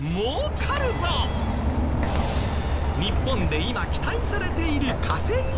日本で今期待されている稼ぎ方。